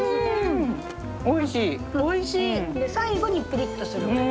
で最後にピリッとするから。